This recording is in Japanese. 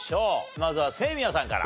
まずは清宮さんから。